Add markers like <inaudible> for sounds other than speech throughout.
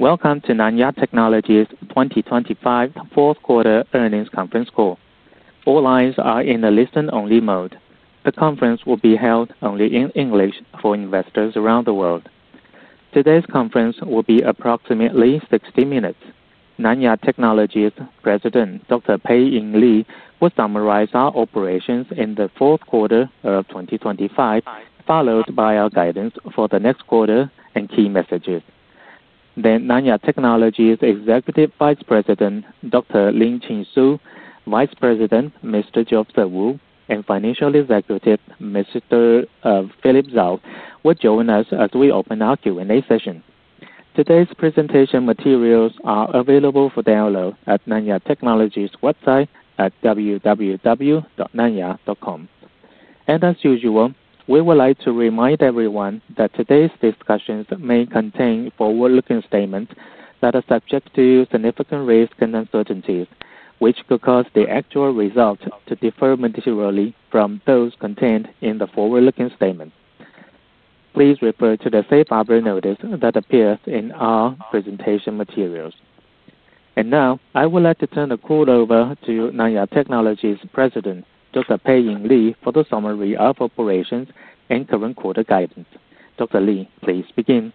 Welcome to Nanya Technology's 2025 Fourth Quarter Earnings Conference Call. All lines are in the listen-only mode. The conference will be held only in English for investors around the world. Today's conference will be approximately 60 minutes. Nanya Technology's President, Dr. Pei-Ing Lee, will summarize our operations in the fourth quarter of 2025, followed by our guidance for the next quarter and key messages. Then, Nanya Technology's Executive Vice President, Dr. Chin-Su Lee, Vice President, Mr. Joseph Chou, and Financial Executive, Mr. Philip Chao, will join us as we open our Q&A session. Today's presentation materials are available for download at Nanya Technology's website at www.nanya.com. As usual, we would like to remind everyone that today's discussions may contain forward-looking statements that are subject to significant risks and uncertainties, which could cause the actual results to differ materially from those contained in the forward-looking statements. Please refer to the safe harbor notice that appears in our presentation materials, and now, I would like to turn the call over to Nanya Technology's President, Dr. Pei-Ing Lee, for the summary of operations and current quarter guidance. Dr. Lee, please begin.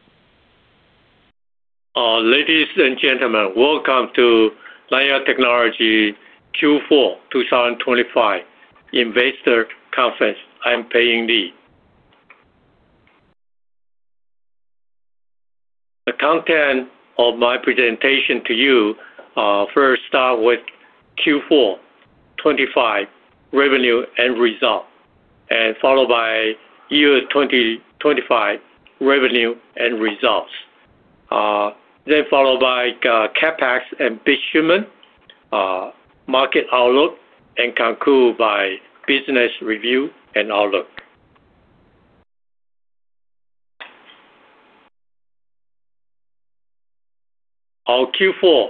Ladies and gentlemen, welcome to Nanya Technology Q4 2025 Investor Conference. I'm Pei-Ing Lee. The content of my presentation to you first starts with Q4 2025 Revenue and Results, and followed by Year 2025 Revenue and Results. Then followed by CapEx Ambition, Market Outlook, and conclude by Business Review and Outlook. Our Q4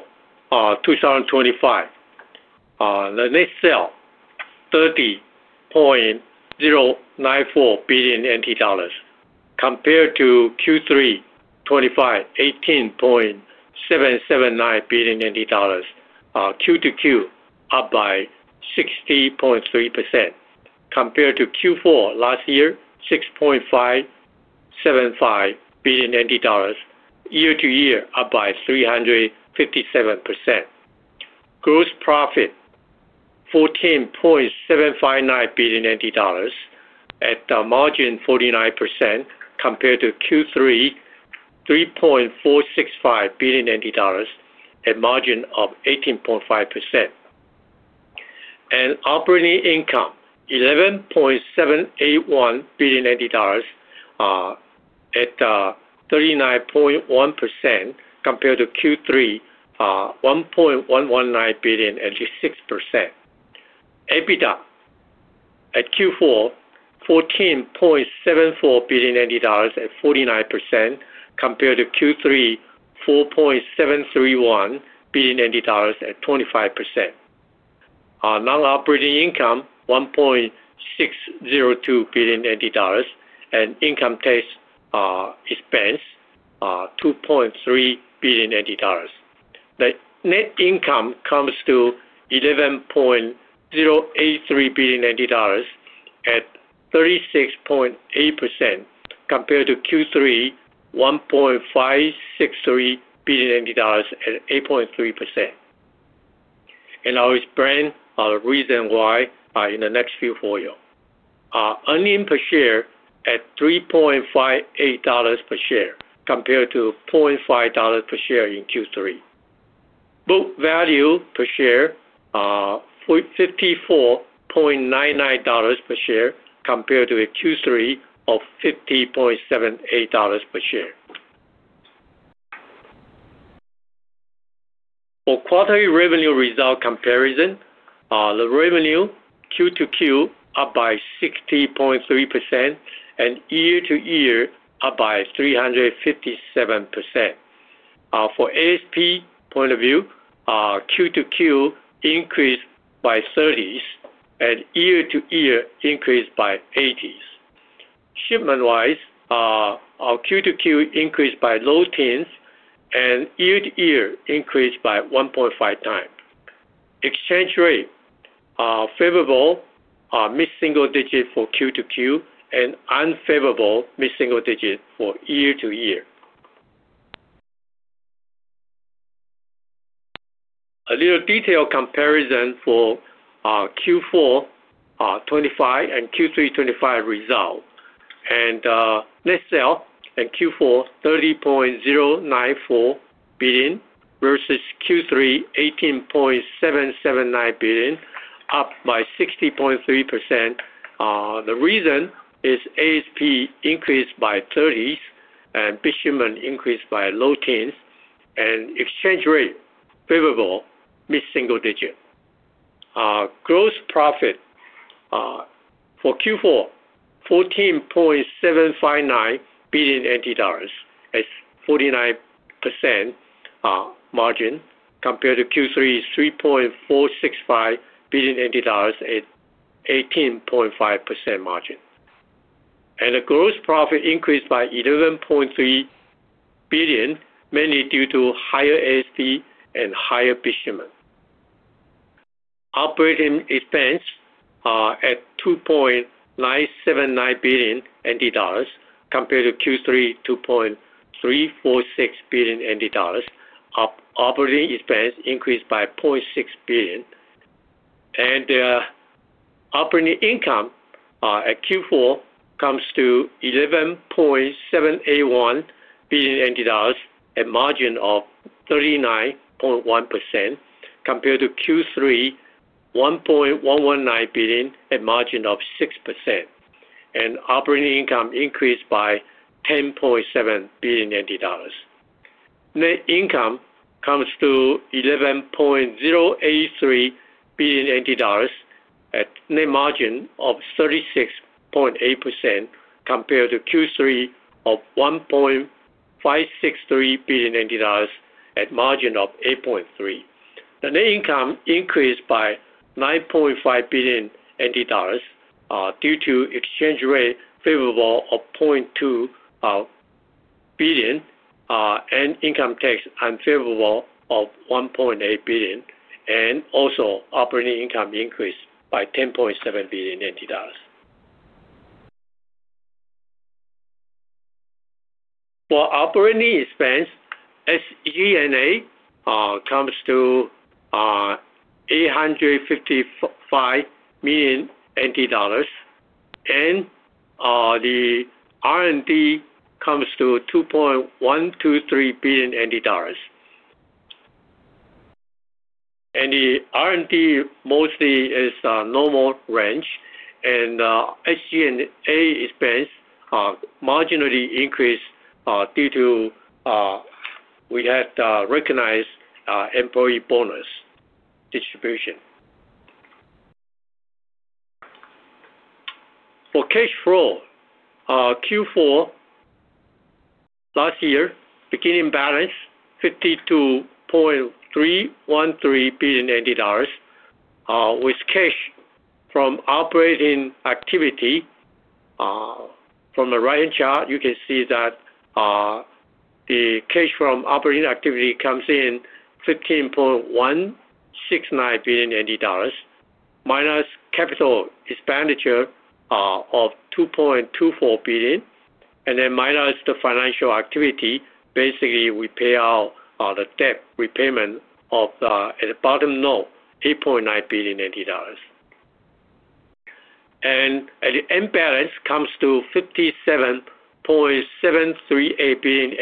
2025, the net sale $30.094 billion compared to Q3 2025, TWD 18.779 billion, Q2Q up by 60.3%. Compared to Q4 last year, TWD 6.575 billion, year-to-year up by 357%. Gross profit TWD 14.759 billion at a margin of 49% compared to Q3, 3.465 billion at a margin of 18.5%. And operating income 11.781 billion at 39.1% compared to Q3, 1.119 billion, 86%. EBITDA at Q4, 14.74 billion at 49% compared to Q3, 4.731 billion at 25%. Non-operating income 1.602 billion dollars, and income-based expense $2.3 billion. The net income comes to $11.083 billion at 36.8% compared to Q3, $1.563 billion at 8.3%. I will explain the reason why in the next few for you. Earnings per share at $3.58 per share compared to $0.5 per share in Q3. Book value per share $54.99 per share compared to Q3 of $50.78 per share. For quarterly revenue result comparison, the revenue Q2Q up by 60.3% and year-to-year up by 357%. For, ASP point of view, Q2Q increased by 30s and year-to-year increased by 80s. Shipment-wise, our Q2Q increased by low teens and year-to-year increased by 1.5x. Exchange rate favorable mid-single digit for Q2Q and unfavorable mid-single digit for year-to-year. A little detailed comparison for Q4 2025 and Q3 2025 result. Net sales in Q4, $30.094 billion, versus Q3, $18.779 billion, up by 60.3%. The reason is ASP increased by 30s and shipment increased by low teens, and exchange rate favorable mid-single digit. Gross profit for Q4, $14.759 billion at 49% margin compared to Q3, $3.465 billion at 18.5% margin. The gross profit increased by 11.3 billion, mainly due to higher ASP and higher shipment. Operating expense at $2.979 billion compared to Q3, $2.346 billion. Operating expense increased by 0.6 billion. Operating income at Q4 comes to $11.781 billion at margin of 39.1% compared to Q3, $1.119 billion at margin of 6%. Operating income increased by $10.7 billion. Net income comes to $11.083 billion at net margin of 36.8% compared to Q3 of $1.563 billion at margin of 8.3%. The net income increased by $9.5 billion due to exchange rate favorable of 0.2 billion and income tax unfavorable of 1.8 billion. Also, operating income increased by $10.7 billion. For operating expense, SG&A comes to $855 million, and the R&D comes to $2.123 billion. And the R&D mostly is normal range, and SG&A expense marginally increased due to we had recognized employee bonus distribution. For cash flow, Q4 last year, beginning balance $52.313 billion, with cash from operating activity. From the right-hand chart, you can see that the cash from operating activity comes in $15.169 billion, minus capital expenditure of $2.24 billion, and then minus the financial activity, basically we pay out the debt repayment of the bottom note, $8.9 billion. And at the end balance comes to $57.738 billion,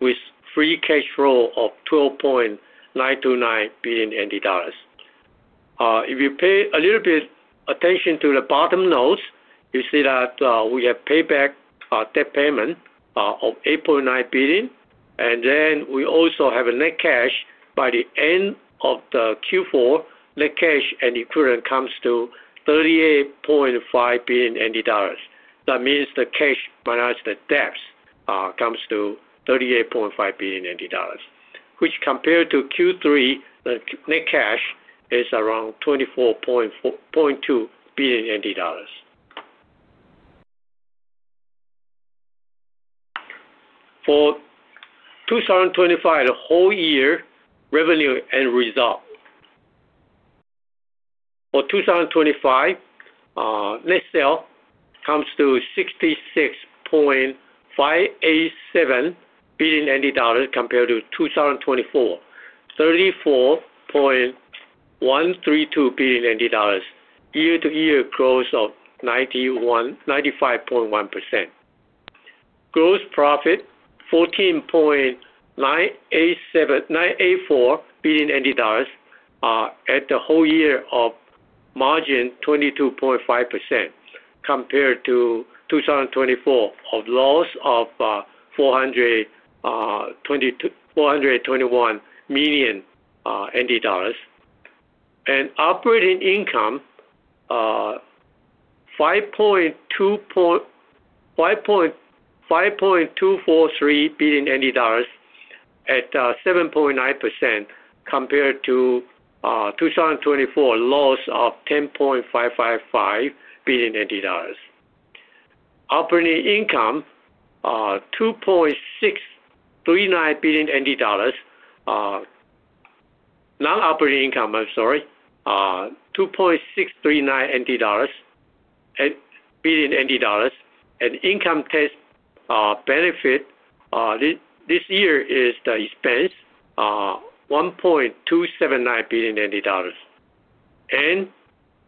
with free cash flow of $12.929 billion. If you pay a little bit attention to the bottom notes, you see that we have payback debt payment of $8.9 billion, and then we also have net cash by the end of the Q4. Net cash and equivalent comes to $38.5 billion. That means the cash minus the debts comes to $38.5 billion, which, compared to Q3, the net cash is around $24.2 billion. For 2025, the whole year revenue and result. For 2025, net sale comes to $66.587 billion compared to 2024, $34.132 billion. Year-to-year growth of 95.1%. Gross profit $14.984 billion at the whole year of margin 22.5% compared to 2024 of loss of $421 million. Operating income $5.243 billion at 7.9% compared to 2024 loss of $10.555 billion. Operating income $2.39 billion. Non-operating income, I'm sorry, $2.639 billion. Income tax benefit this year is the expense $1.279 billion.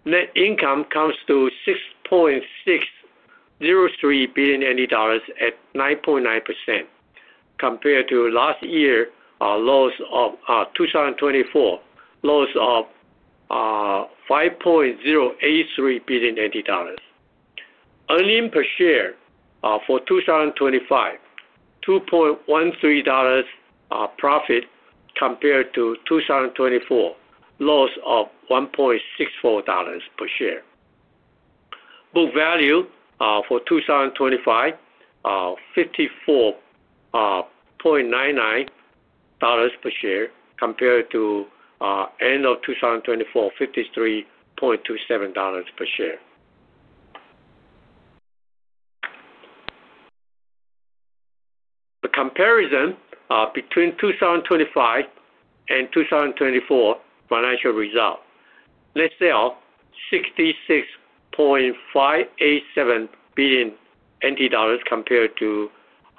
Net income comes to $6.603 billion at 9.9% compared to last year loss of 2024, loss of $5.083 billion. Earnings per share for 2025, $2.13 profit compared to 2024, loss of $1.64 per share. Book value for 2025, $54.99 per share compared to end of 2024, $53.27 per share. The comparison between 2025 and 2024 financial result, net sale $66.587 billion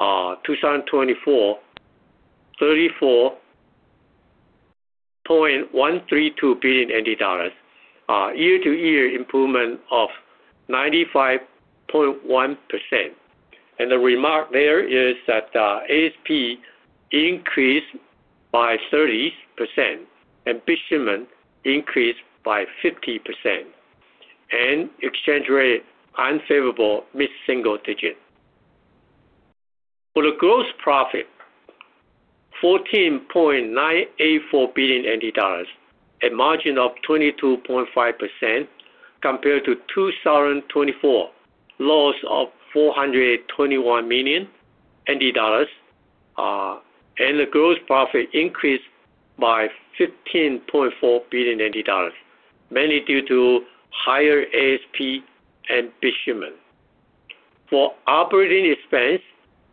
compared to 2024, $34.132 billion. Year-to-year improvement of 95.1%. The remark there is that ASP increased by 30%, and shipment increased by 50%. Exchange rate unfavorable mid-single digit. For the gross profit, $14.984 billion at margin of 22.5% compared to 2024, loss of $421 million. The gross profit increased by $15.4 billion, mainly due to higher ASP and shipment. For operating expense,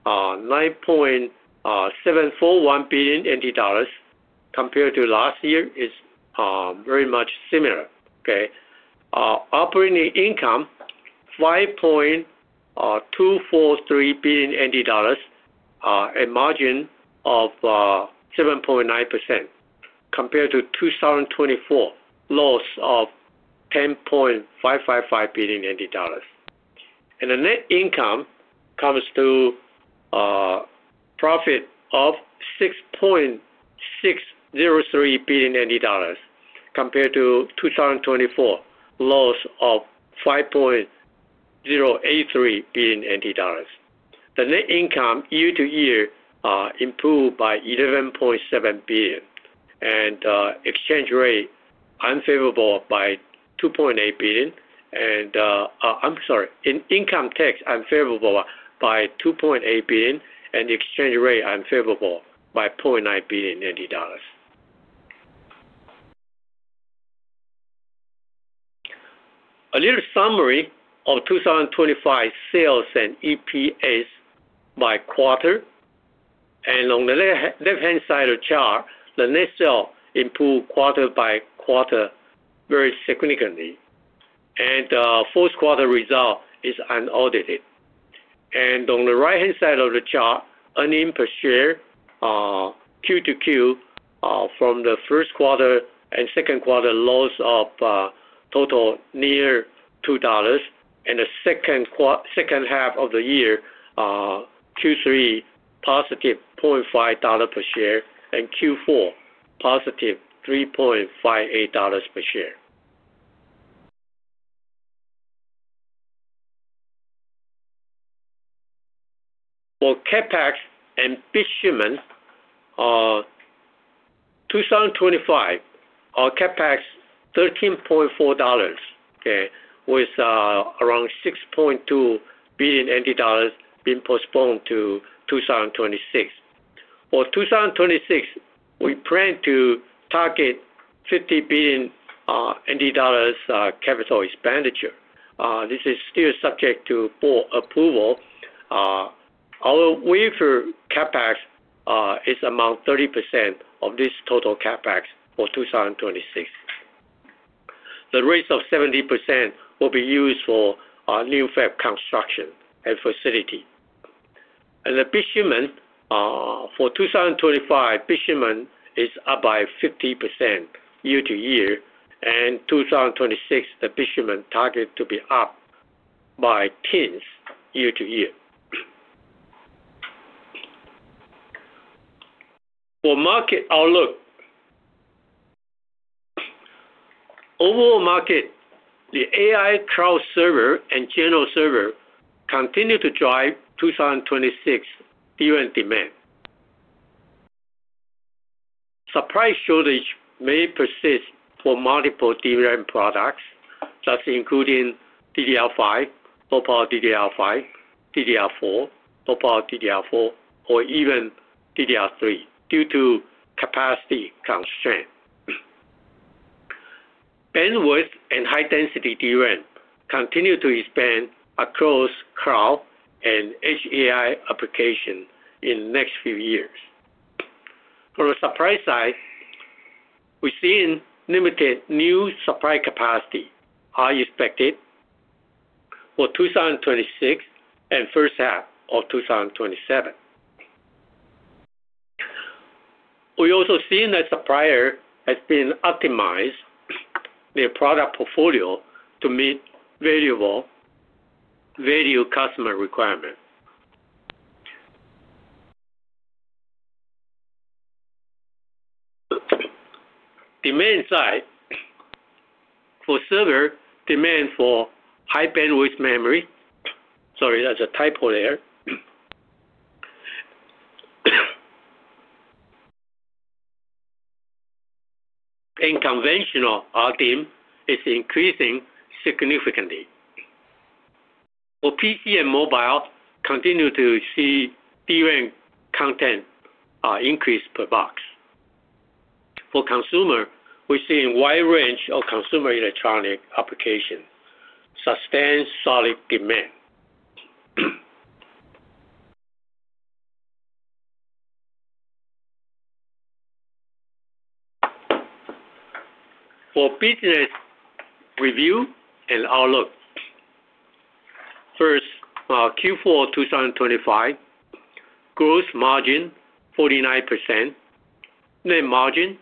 $9.741 billion compared to last year is very much similar. Operating income, $5.243 billion at margin of 7.9% compared to 2024, loss of $10.555 billion. The net income comes to profit of $6.603 billion compared to 2024, loss of $5.083 billion. The net income year-to-year improved by 11.7 billion. Exchange rate unfavorable by 2.8 billion. I'm sorry, income tax unfavorable by 2.8 billion, and exchange rate unfavorable by $0.9 billion. A little summary of 2025 sales and EPS by quarter. On the left-hand side of the chart, the net sales improved quarter-by-quarter very significantly. The fourth quarter result is unaudited. On the right-hand side of the chart, earnings per share, Q2Q from the first quarter and second quarter loss of total near $2. In the second half of the year, Q3 positive 0.5 per share, and Q4 +$3.58 per share. For CapEx and shipment, 2025, CapEx $13.4 billion, with around $6.2 billion being postponed to 2026. For 2026, we plan to target $50 billion capital expenditure. This is still subject to board approval. Our wafer CapEx is around 30% of this total CapEx for 2026. The rate of 70% will be used for new fab construction and facility. The shipment for 2025 shipment is up by 50% year-to-year. 2026, the shipment target to be up by teens year-to-year. For market outlook, overall market, the AI cloud server and general server continue to drive 2026 <audio distortion> demand. Supply shortage may persist for multiple demand products, such including LPDDR5, LPDDR5, DDR4, LPDDR4, or even DDR3 due to capacity constraint. Bandwidth and high-density DRAM continue to expand across cloud and edge AI application in the next few years. From the supply side, we've seen limited new supply capacity expected for 2026 and first half of 2027. We also see that supplier has been optimized their product portfolio to meet valuable value customer requirement. Demand side for server demand for high-bandwidth memory. Sorry, that's a typo there. And conventional RDIMM is increasing significantly. For PC and mobile, continue to see DRAM content increase per box. For consumer, we're seeing wide range of consumer electronic applications. Sustain solid demand. For business review and outlook, first, Q4 2025, gross margin 49%, net margin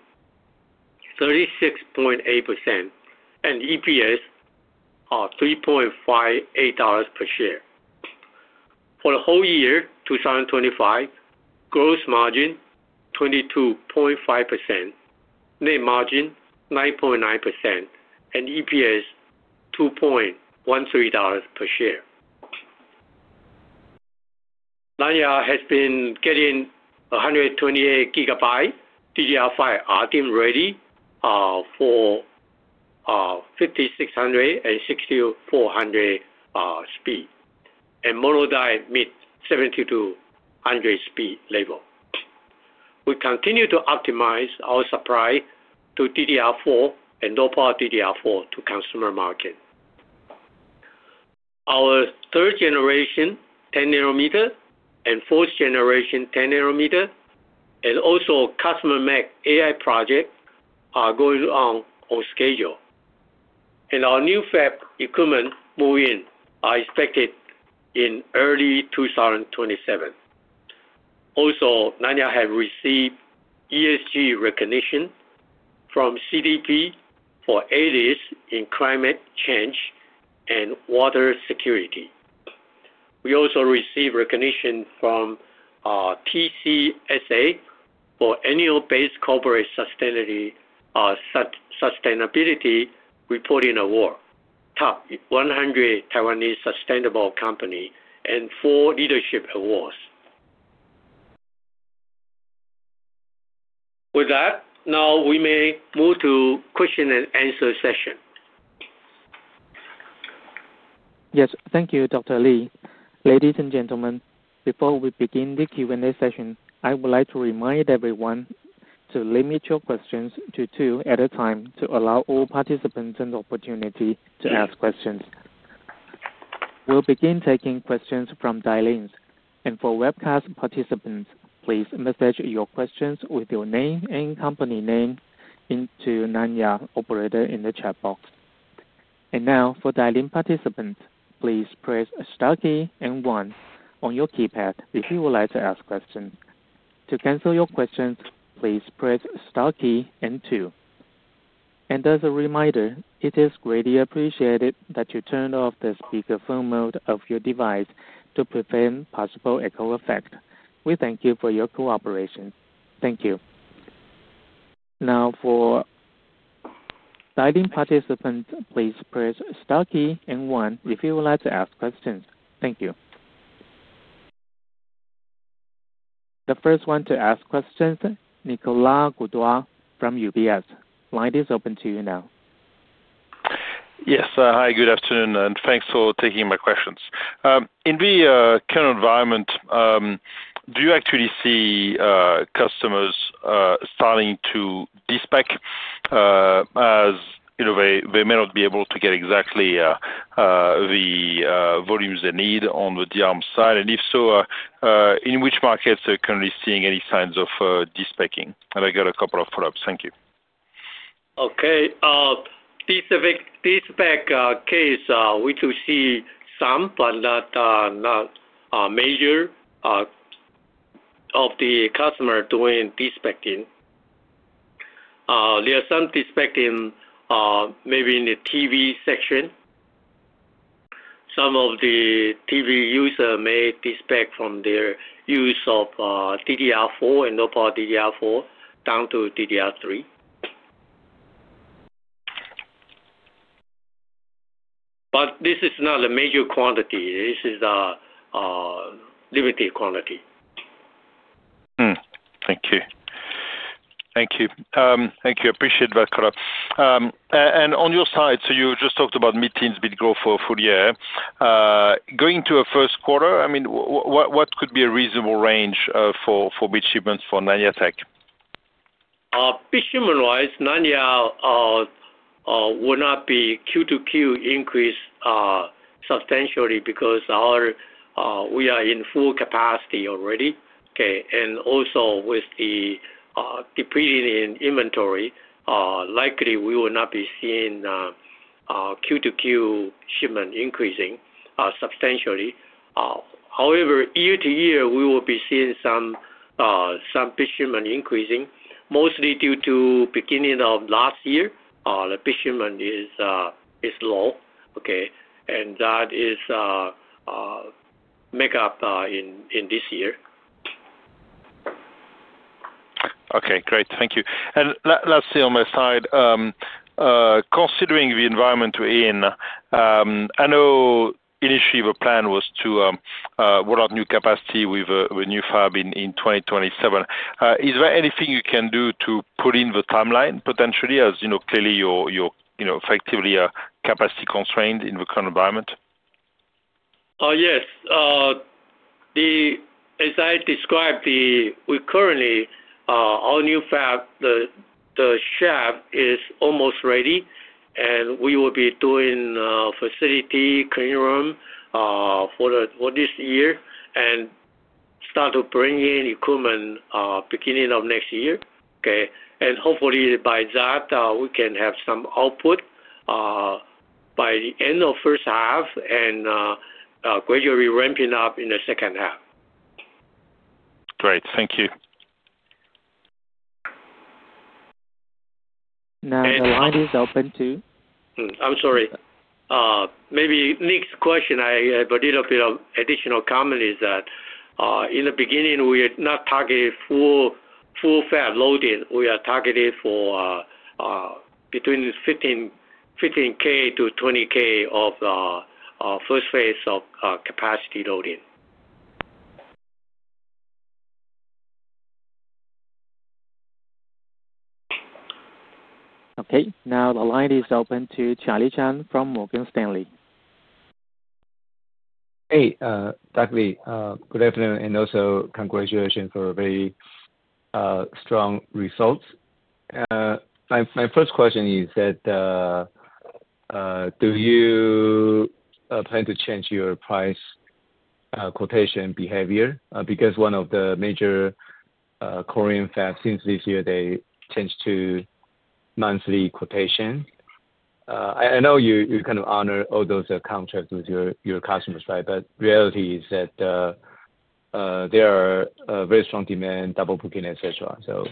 36.8%, and EPS of $3.58 per share. For the whole year 2025, gross margin 22.5%, net margin 9.9%, and EPS $2.13 per share. Nanya has been getting 128 GB DDR5 RDIMM ready for 5600 and 6400 speed, and mono die-mid 7200 speed label. We continue to optimize our supply to DDR4 and Low Power DDR4 to consumer market. Our third generation 10 nanometer and fourth generation 10 nanometer, and also custom-made AI project are going on schedule. And our new fab equipment move-in are expected in early 2027. Also, Nanya has received ESG recognition from CDP for areas in climate change and water security. We also received recognition from TCSA for annual-based corporate sustainability reporting award, top 100 Taiwanese sustainable company, and four leadership awards. With that, now we may move to question and answer session. Yes. Thank you, Dr. Lee. Ladies and gentlemen, before we begin the Q&A session, I would like to remind everyone to limit your questions to two at a time to allow all participants an opportunity to ask questions. We'll begin taking questions from dial-ins, and for webcast participants, please message your questions with your name and company name into Nanya operator in the chat box, and now, for dial-in participants, please press star key and one on your keypad if you would like to ask questions. To cancel your questions, please press star key and two. And as a reminder, it is greatly appreciated that you turn off the speakerphone mode of your device to prevent possible echo effect. We thank you for your cooperation. Thank you. Now, for dial-in participants, please press star key and one if you would like to ask questions. Thank you. The first one to ask questions, Nicolas Gaudois from UBS. Line is open to you now. Yes. Hi, good afternoon, and thanks for taking my questions. In the current environment, do you actually see customers starting to de-spec as they may not be able to get exactly the volumes they need on the DRAM side? And if so, in which markets are currently seeing any signs of de-specing? And I got a couple of follow-ups. Thank you. Okay. De-spec case, we do see some, but not major of the customer doing de-specing. There are some de-specing maybe in the TV section. Some of the TV users may de-spec from their use of DDR4 and LPDDR4 down to DDR3. But this is not a major quantity. This is a limited quantity. Thank you. Appreciate that color. And on your side, so you just talked about mid-teens mid-growth for full year. Going to a first quarter, I mean, what could be a reasonable range for DRAM shipments for Nanya Tech? DRAM shipment-wise, Nanya will not be Q2Q increase substantially because we are in full capacity already. And also with the depleting in inventory, likely we will not be seeing Q2Q shipment increasing substantially. However, year-to-year, we will be seeing some DRAM shipment increasing, mostly due to beginning of last year, the DRAM shipment is low. And that is makeup in this year. Okay. Great. Thank you. And last thing on my side, considering the environment we're in, I know initially the plan was to roll out new capacity with a new fab in 2027. Is there anything you can do to put in the timeline potentially as clearly you're effectively capacity constrained in the current environment? Yes. As I described, currently our new fab, the fab is almost ready. And we will be doing facilities, clean room for this year, and start to bring in equipment beginning of next year. And hopefully, by that, we can have some output by the end of first half and gradually ramping up in the second half. Great. Thank you. Now, the line is open to. I'm sorry. Maybe next question, I have a little bit of additional comment is that in the beginning, we are not targeted full fab loading. We are targeted for between 15K-20K of first phase of capacity loading. Okay. Now, the line is open to Charlie Chan from Morgan Stanley. Hey, Pei-Ing Lee. Good afternoon. And also congratulations for very strong results. My first question is that do you plan to change your price quotation behavior? Because one of the major Korean fabs since this year, they changed to monthly quotation. I know you kind of honor all those contracts with your customers, right? But reality is that there are very strong demand, double booking, etc. So,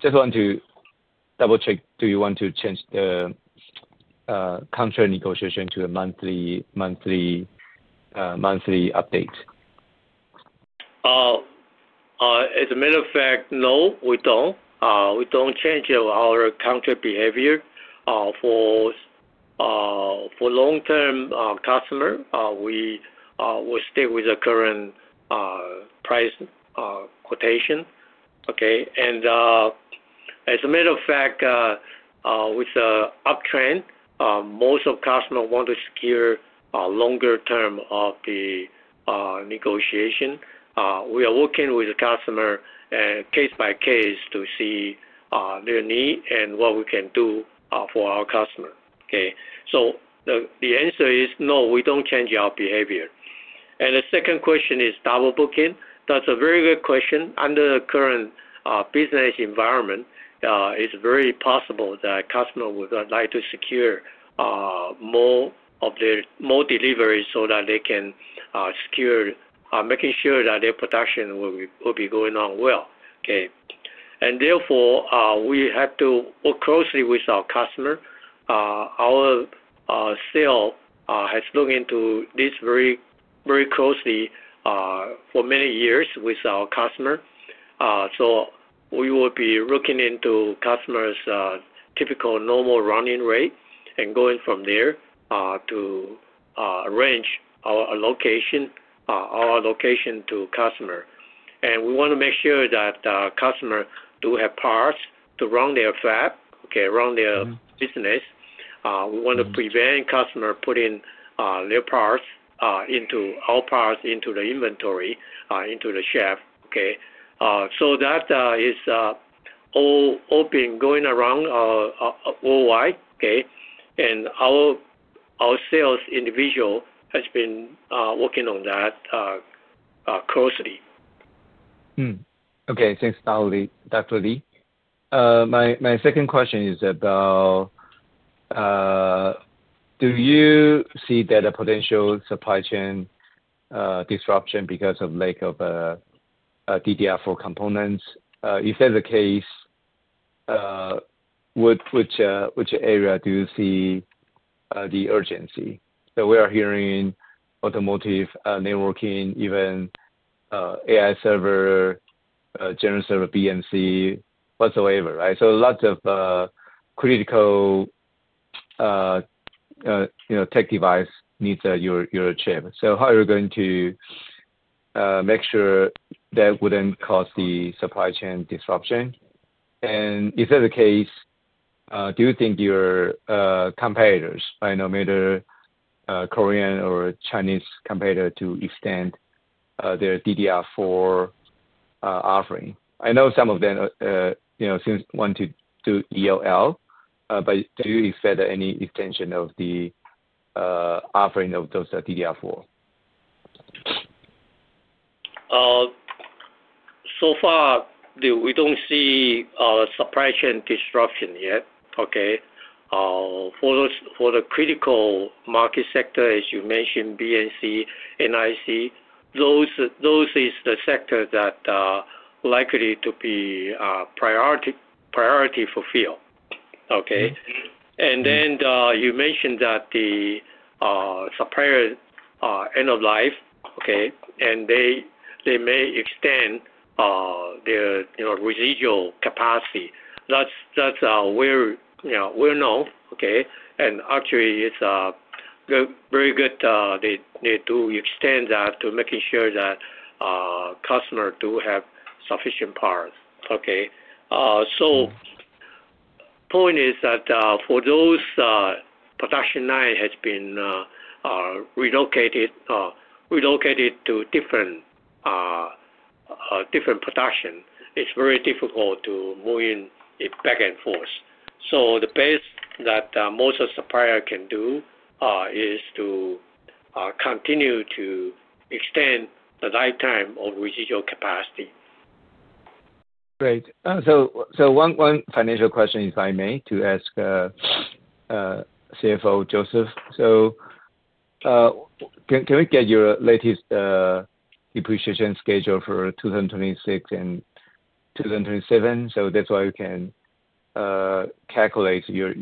just want to double-check, do you want to change the contract negotiation to a monthly update? As a matter of fact, no, we don't. We don't change our contract behavior. For long-term customer, we will stick with the current price quotation. As a matter of fact, with the uptrend, most of customers want to secure longer term of the negotiation. We are working with the customer case by case to see their need and what we can do for our customer. The answer is no, we don't change our behavior. The second question is double booking. That's a very good question. Under the current business environment, it's very possible that customer would like to secure more delivery so that they can secure making sure that their production will be going on well. Therefore, we have to work closely with our customer. Our sales has looked into this very closely for many years with our customer. We will be looking into customer's typical normal running rate and going from there to arrange our allocation to customer. And we want to make sure that customer do have parts to run their fab, run their business. We want to prevent customer putting their parts into our parts into the inventory, into the spec. So that is all been going around worldwide. And our sales individual has been working on that closely. Okay. Thanks, Dr. Lee. My second question is about do you see any potential supply chain disruption because of lack of DDR4 components? If that's the case, which area do you see the urgency? So we are hearing automotive, networking, even AI server, general server, PC, whatsoever, right? So lots of critical tech device needs your chip. So how are you going to make sure that wouldn't cause the supply chain disruption? And if that's the case, do you think your competitors, no matter Korean or Chinese competitor, to extend their DDR4 offering? I know some of them want to do EOL, but do you expect any extension of the offering of those DDR4? So far, we don't see supply chain disruption yet. For the critical market sector, as you mentioned, BNC, NIC, those is the sector that likely to be priority fulfill, and then you mentioned that the supplier end of life, and they may extend their residual capacity. That's well known. And actually, it's very good they do extend that to making sure that customer do have sufficient parts. So point is that for those production line has been relocated to different production, it's very difficult to move in back and forth. So the best that most of supplier can do is to continue to extend the lifetime of residual capacity. Great. So one financial question, if I may, to ask CFO Joseph. So can we get your latest depreciation schedule for 2026 and 2027? So that's why we can calculate your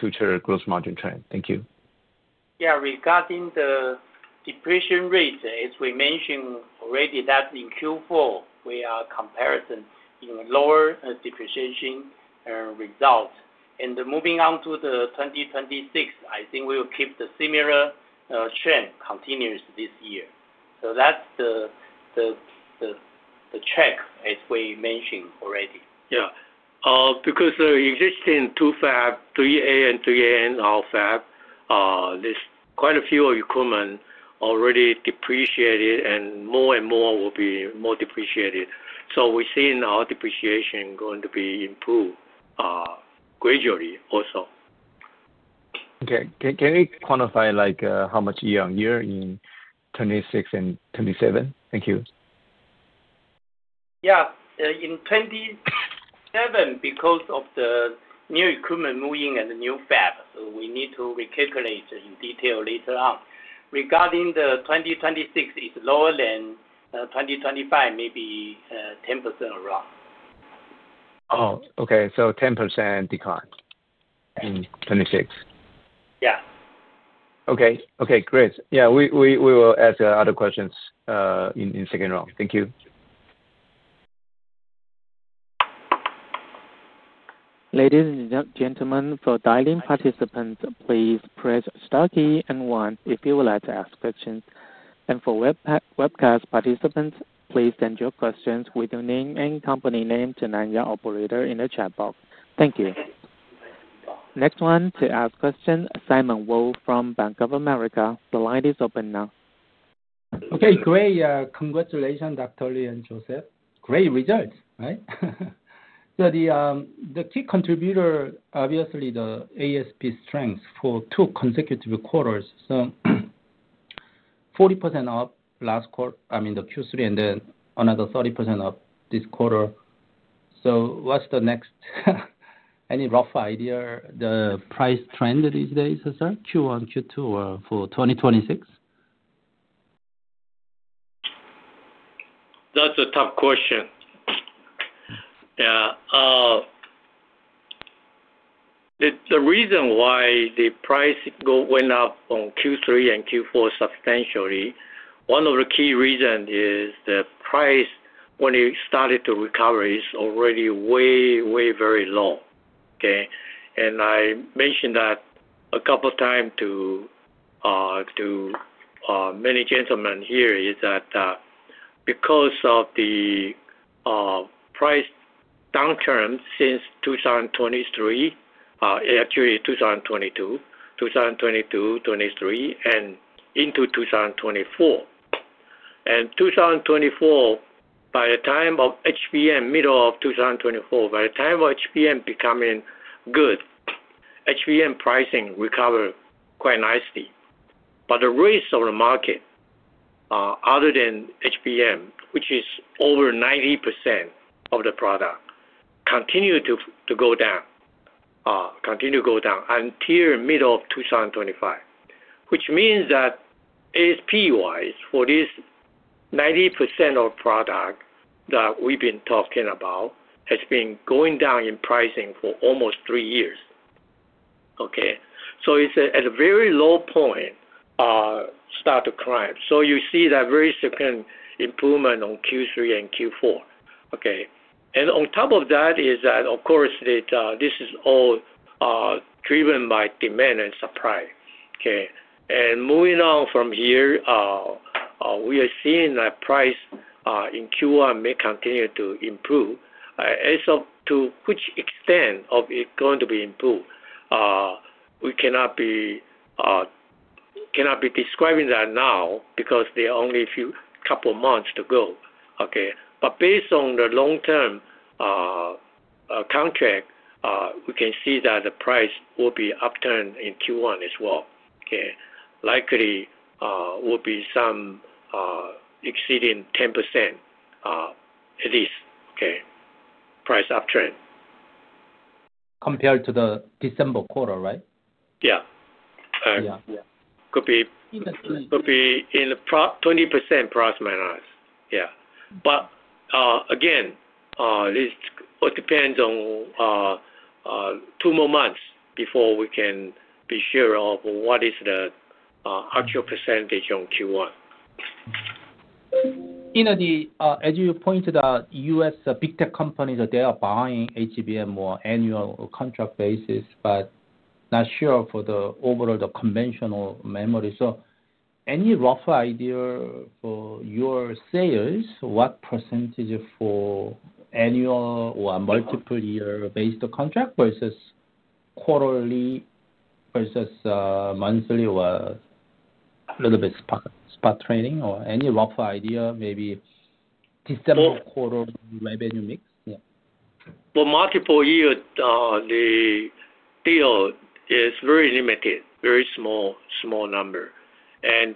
future gross margin trend. Thank you. Yeah. Regarding the depreciation rate, as we mentioned already, that in Q4, we are comparison in lower depreciation result. And moving on to 2026, I think we will keep the similar trend continuous this year. So that's the case as we mentioned already. Yeah. Because existing two-fab, 3A and 3B and our fab, there's quite a few equipment already depreciated and more and more will be more depreciated. So we're seeing our depreciation going to be improved gradually also. Okay. Can you quantify how much year on year in 2026 and 2027? Thank you. Yeah. In 2027, because of the new equipment moving and the new fab, so we need to recalculate in detail later on. Regarding the 2026, it's lower than 2025, maybe 10% around. Oh, okay. So 10% decline in 2026. Yeah. Okay. Great. Yeah. We will ask other questions in second round. Thank you. Ladies and gentlemen, for dial-in participants, please press star key and one if you would like to ask questions. And for webcast participants, please send your questions with your name and company name to Nanya Operator in the chat box. Thank you. Next one to ask question, Simon Woo from Bank of America. The line is open now. Okay. Great. Congratulations, Dr. Lee and Joseph. Great results, right? So the key contributor, obviously, the ASP strength for two consecutive quarters. So 40% up last quarter, I mean, the Q3, and then another 30% up this quarter. So what's the next? Any rough idea? The price trend these days, sir? Q1, Q2, or for 2026? That's a tough question. Yeah. The reason why the price went up on Q3 and Q4 substantially, one of the key reasons is the price when it started to recover is already way, way, very low. And I mentioned that a couple of times to many gentlemen here is that because of the price downturn since 2023, actually 2022, 2022, 2023, and into 2024. And 2024, by the time of HBM, middle of 2024, by the time of HBM becoming good, HBM pricing recovered quite nicely. But the rest of the market, other than HBM, which is over 90% of the product, continued to go down, continue to go down until middle of 2025, which means that ASP-wise, for this 90% of product that we've been talking about, has been going down in pricing for almost three years. So it's at a very low point, start to climb. So you see that very significant improvement on Q3 and Q4. And on top of that is that, of course, this is all driven by demand and supply. And moving on from here, we are seeing that price in Q1 may continue to improve. As to which extent of it going to be improved, we cannot be describing that now because there are only a couple of months to go. But based on the long-term contract, we can see that the price will be upturned in Q1 as well. Likely will be some exceeding 10% at least, price uptrend. Compared to the December quarter, right? Yeah. Could be in 20% ±. Yeah. But again, it depends on two more months before we can be sure of what is the actual percentage on Q1. As you pointed out, U.S. big tech companies, they are buying HBM more annual contract basis, but not sure for the overall conventional memory. So any rough idea for your sales, what percentage for annual or multiple-year based contract versus quarterly versus monthly ,or a little bit spot trading? Or any rough idea, maybe December quarter revenue mix? Well, multiple-year, the deal is very limited, very small number. And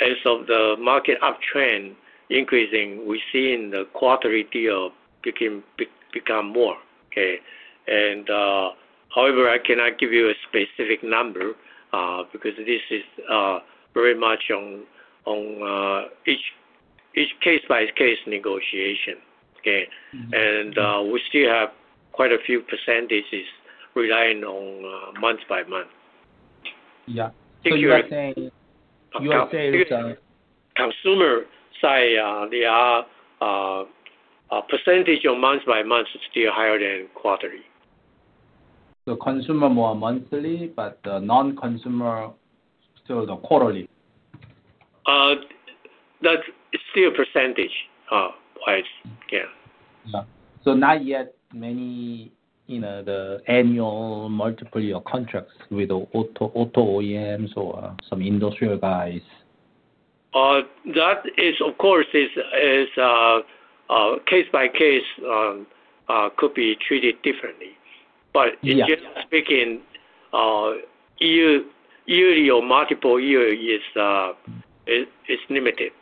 as of the market uptrend increasing, we're seeing the quarterly deal become more. And however, I cannot give you a specific number because this is very much on each case-by-case negotiation. And we still have quite a few percentages relying on month-by-month. Yeah. You are saying consumer side, the percentage of month-by-month is still higher than quarterly. So consumer more monthly, but the non-consumer still quarterly? That's still percentage-wise. Yeah. So, not yet many. The annual multiple-year contracts with auto OEMs or some industrial guys? That is, of course, is case-by-case could be treated differently. But generally speaking, year-to-year or multiple-year is limited.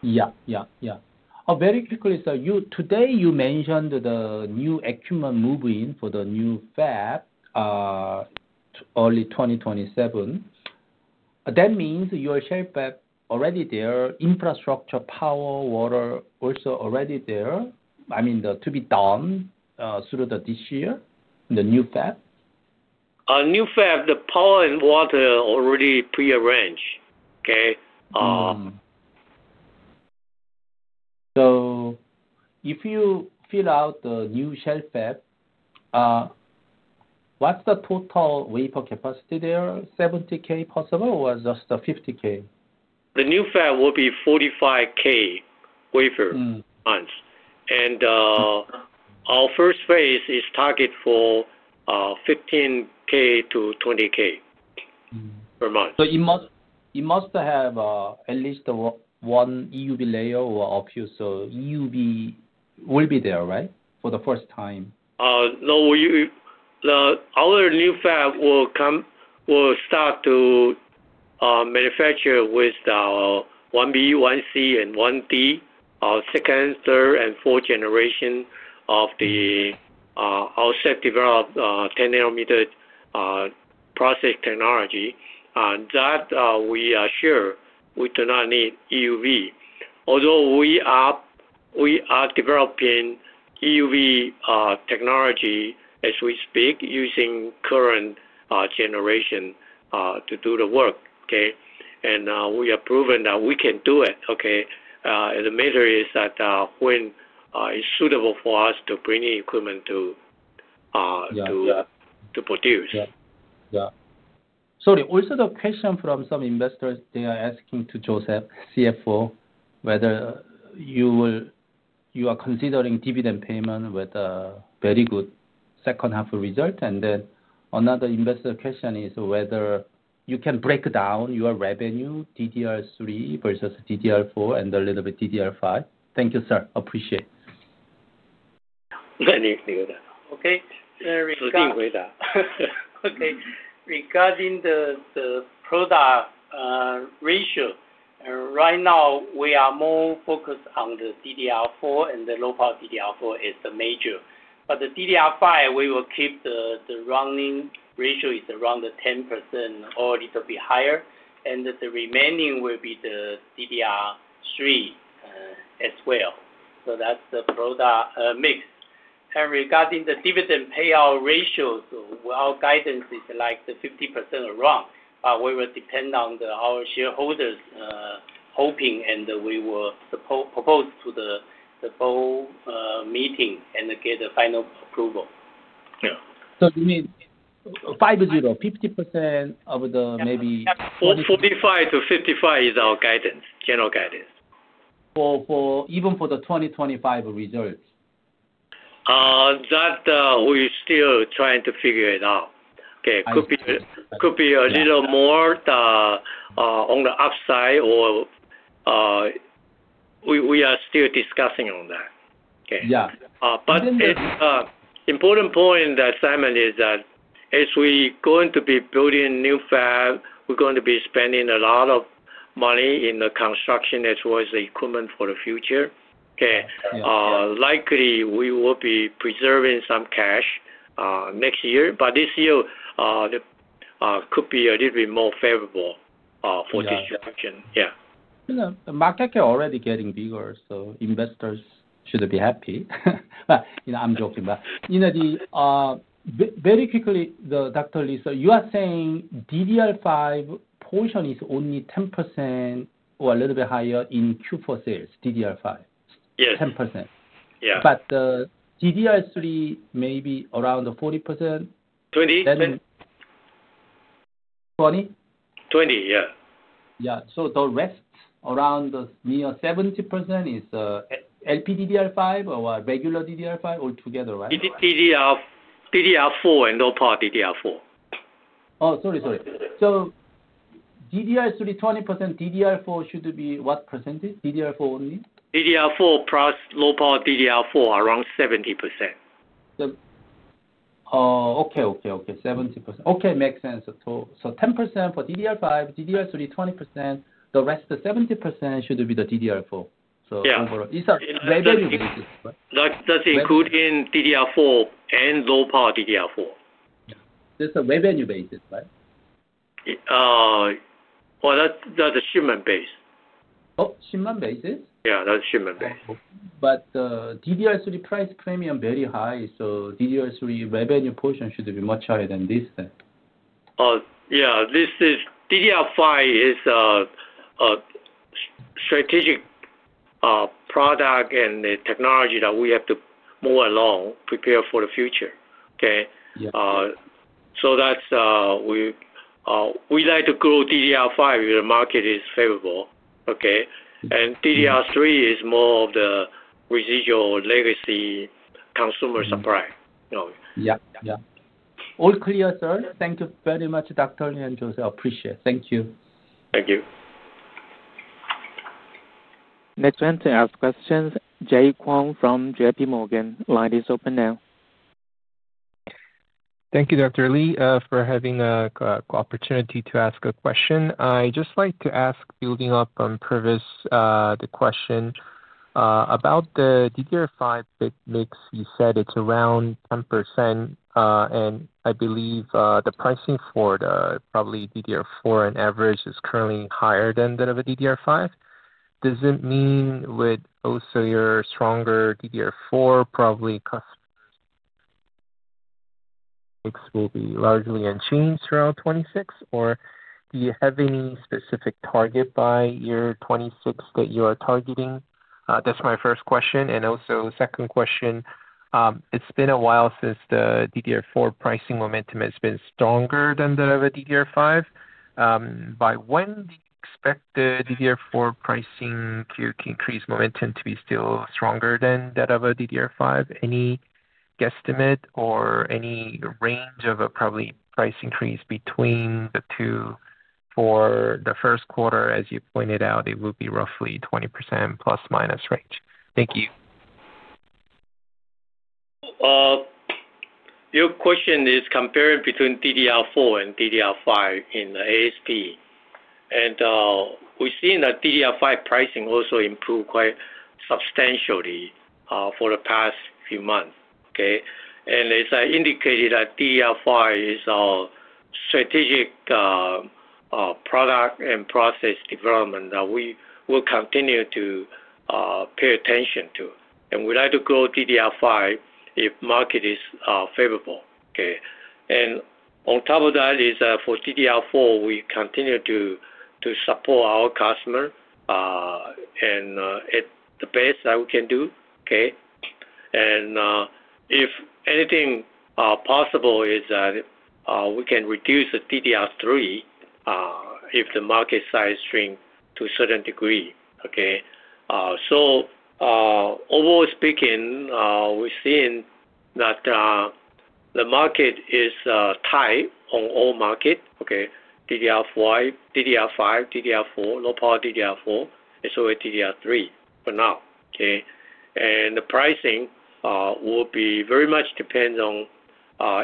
Yeah. Very quickly, sir, today you mentioned the new equipment moving for the new fab early 2027. That means your shell already there, infrastructure, power, water also already there, I mean, to be done through this year, the new fab? New fab, the power and water already prearranged. So if you fill out the new shell, what's the total wafer capacity there? 70K possible or just 50K? The new fab will be 45K wafer months. And our first phase is targeted for 15K-20K per month. So it must have at least one EUV layer or a few. So EUV will be there, right, for the first time? No. No. Our new fab will start to manufacture with our 1B, 1C, and 1D, our second, third, and fourth generation of the outside developed 10-nanometer process technology. That we are sure we do not need EUV. Although we are developing EUV technology as we speak using current generation to do the work, and we have proven that we can do it, and the matter is that when it's suitable for us to bring equipment to produce. Also the question from some investors, they are asking to Joseph, CFO, whether you are considering dividend payment with a very good second half result, and then another investor question is whether you can break down your revenue, DDR3 versus DDR4, and a little bit DDR5. Thank you, sir. Appreciate. Okay. Very good. Okay. Regarding the product ratio, right now we are more focused on the DDR4 and the low-power DDR4 is the major. But the DDR5, we will keep the running ratio is around 10% or a little bit higher. And the remaining will be the DDR3 as well. So that's the product mix. And regarding the dividend payout ratios, our guidance is like 50% around. But we will depend on our shareholders' voting, and we will propose to the board meeting and get a final approval. Yeah. So you mean 50, 50% of the maybe? 45%-55% is our guidance, general guidance. Even for the 2025 results? That we're still trying to figure it out. Okay. Could be a little more on the upside or we are still discussing on that. Okay. But important, point in the assignment is that as we're going to be building new fab, we're going to be spending a lot of money in the construction as well as the equipment for the future. Okay. Likely we will be preserving some cash next year. But this year could be a little bit more favorable for distribution. Yeah. The market is already getting bigger, so investors should be happy. But I'm joking. But very quickly, Dr. Lee, so you are saying DDR5 portion is only 10% or a little bit higher in Q4 sales, DDR5. 10%. But the DDR3 maybe around 40%? 20? 20? 20, yeah. Yeah. So the rest around near 70% is LP DDR5 or regular DDR5 altogether, right? DDR4 and low-power DDR4. Oh, sorry, sorry. So DDR3 20%, DDR4 should be what percentage? DDR4 only? DDR4 plus low-power DDR4 around 70%. Okay. 70%. Okay. Makes sense. So 10% for DDR5, DDR3 20%, the rest 70% should be the DDR4. So overall, it's a revenue basis, right? That's including DDR4 and low-power DDR4. Yeah. That's a revenue basis, right? Well, that's a shipment base. Oh, shipment basis? Yeah. That's shipment basis. But DDR3 price premium very high, so DDR3 revenue portion should be much higher than this then. Yeah. DDR5 is a strategic product and technology that we have to move along, prepare for the future. Okay. So we like to grow DDR5 if the market is favorable. Okay. And DDR3 is more of the residual legacy consumer supply. Yeah. All clear, sir. Thank you very much, Dr. Lee and Joseph. Appreciate. Thank you. Thank you. Next one to ask questions, Jay Kwong from JPMorgan. Line is open now. Thank you, Dr. Lee, for having the opportunity to ask a question. I just like to ask, building upon the previous question about the DDR5 mix you said it's around 10%. And I believe the pricing for probably DDR4 on average is currently higher than that of a DDR5. Does it mean with also your stronger DDR4, probably customers' mix will be largely unchanged around 2026? Or do you have any specific target by year 2026 that you are targeting? That's my first question. And also second question, it's been a while since the DDR4 pricing momentum has been stronger than that of a DDR5. By when do you expect the DDR4 pricing to increase momentum to be still stronger than that of a DDR5? Any guesstimate or any range of a probably price increase between the two for the first quarter, as you pointed out, it will be roughly 20% ± range. Thank you. Your question is comparing between DDR4 and DDR5 in ASP, and we've seen that DDR5 pricing also improved quite substantially for the past few months. Okay, and as I indicated, DDR5 is our strategic product and process development that we will continue to pay attention to, and we like to grow DDR5 if market is favorable. Okay, and on top of that is for DDR4, we continue to support our customer and at the best that we can do. Okay, and if anything possible is that we can reduce the DDR3 if the market size shrink to a certain degree. Okay, so overall speaking, we've seen that the market is tight on all market. Okay. DDR5, DDR4, low-power DDR4, and so with DDR3 for now. Okay, and the pricing will be very much depend on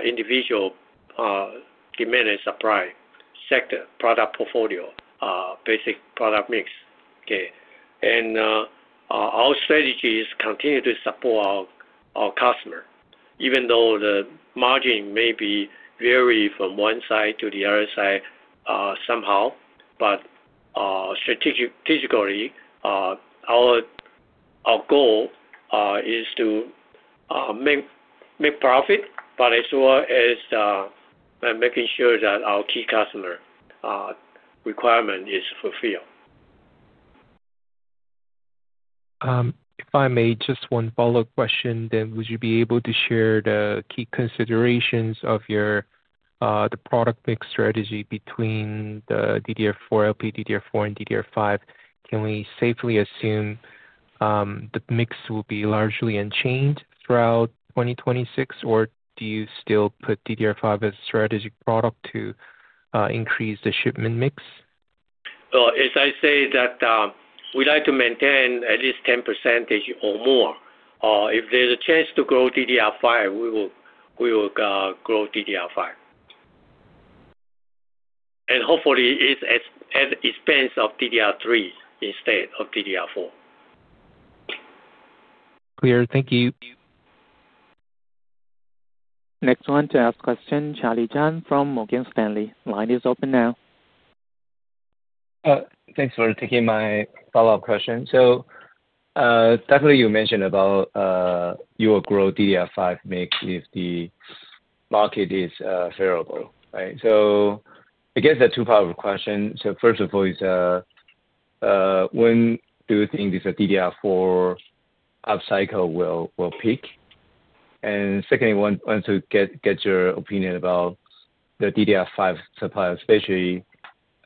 individual demand and supply sector product portfolio, basic product mix. Okay. Our strategy is to continue to support our customer. Even though the margin may be varied from one side to the other side somehow, but strategically, our goal is to make profit, but as well as making sure that our key customer requirement is fulfilled. If I may, just one follow-up question, then would you be able to share the key considerations of the product mix strategy between the DDR4, LP DDR4, and DDR5? Can we safely assume the mix will be largely unchanged throughout 2026? Or do you still put DDR5 as a strategic product to increase the shipment mix? As I say that we like to maintain at least 10% or more. If there's a chance to grow DDR5, we will grow DDR5. And, hopefully, it's at the expense of DDR3 instead of DDR4. Clear. Thank you. Next one to ask a question, Charlie Chan from Morgan Stanley. Line is open now. Thanks for taking my follow-up question. So definitely you mentioned about you will grow DDR5 mix if the market is favorable. Right? So I guess the two-part question. So first of all is when do you think this DDR4 upcycle will peak? And secondly, want to get your opinion about the DDR5 supplier, especially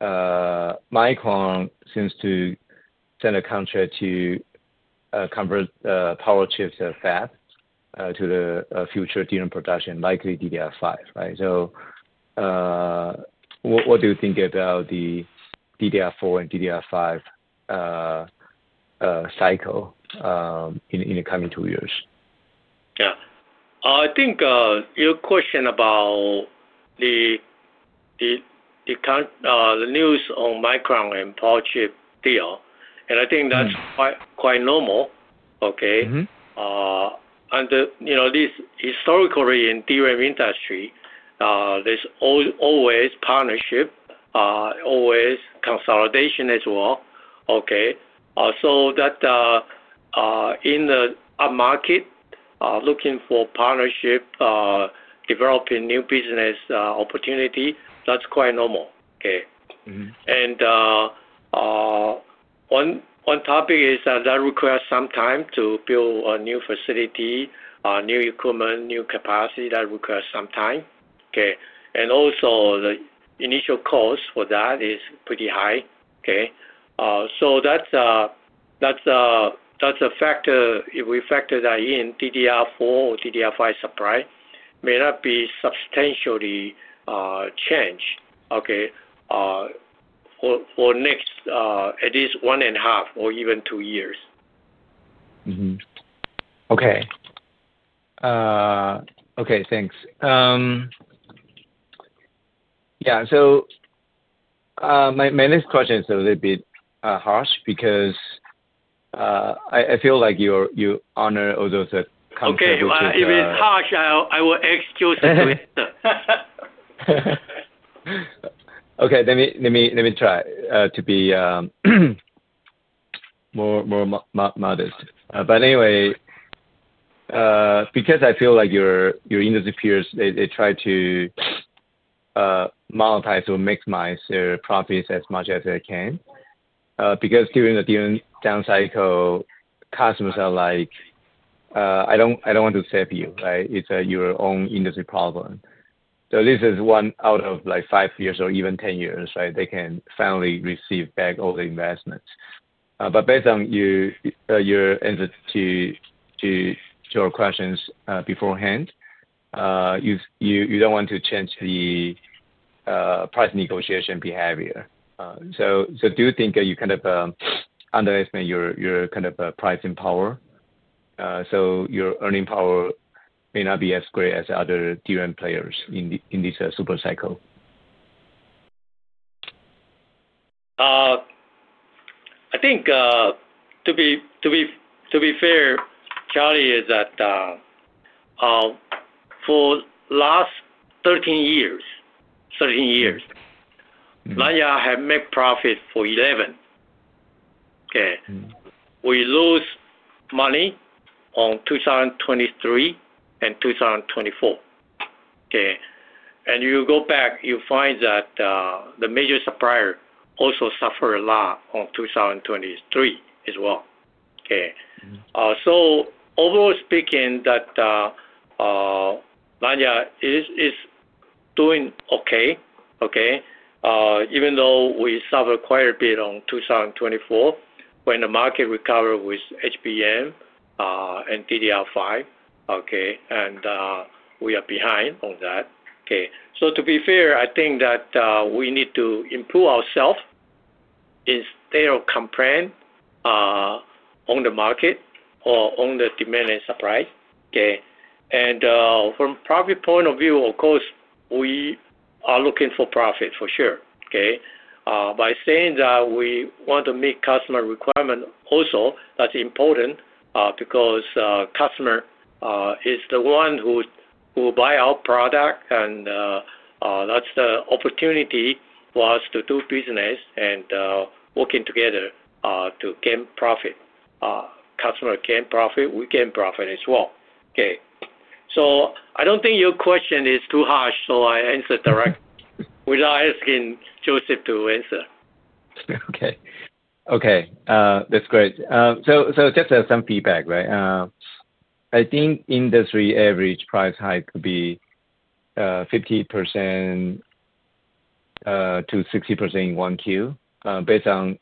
Micron seems to sign a contract to convert Powerchip's fab to the future DRAM production, likely DDR5. Right? So, what do you think about the DDR4 and DDR5 cycle in the coming two years? Yeah. I think your question about the news on Micron and Powerchip deal. And I think that's quite normal. Okay. And historically in DRAM industry, there's always partnership, always consolidation as well. Okay. So that in the upmarket, looking for partnership, developing new business opportunity, that's quite normal. And one topic is that requires some time to build a new facility, new equipment, new capacity that requires some time. And also the initial cost for that is pretty high. So that's a factor. If we factor that in, DDR4 or DDR5 supply may not be substantially changed. For next at least one and a half or even two years. Thanks. Yeah. So my next question is a little bit harsh because I feel like you honor all those comments. If it's harsh, I will-excuse me. Let me try to be more modest. But anyway, because I feel like your industry peers, they try to monetize or maximize their profits as much as they can. Because during the down cycle, customers are like, "I don't want to save you." Right? It's your own industry problem. So this is one out of five years or even ten years, right? They can finally receive back all the investments. But based on your answer to your questions beforehand, you don't want to change the price negotiation behavior. So do you think you kind of underestimate your kind of pricing power? So your earning power may not be as great as other DRAM players in this super cycle? I think to be fair, Charlie, is that for the last 13 years, Nanya has made profits for 11. Okay. We lost money on 2023 and 2024. Okay. And you go back, you find that the major supplier also suffered a lot on 2023 as well. Okay. So overall speaking, that Nanya is doing okay. Even though we suffered quite a bit in 2024 when the market recovered with HBM and DDR5. Okay, and we are behind on that. Okay, so to be fair, I think that we need to improve ourselves instead of complain on the market or on the demand and supply. Okay. And from a profit point of view, of course, we are looking for profit for sure. Okay. By saying that we want to meet customer requirement also, that's important because customer is the one who will buy our product, and that's the opportunity for us to do business and working together to gain profit. Customer gain profit, we gain profit as well. Okay. So I don't think your question is too harsh, so I answered direct without asking Joseph to answer. Okay. That's great, so just some feedback, right? I think industry average price hike could be 50%-60% in 1Q based on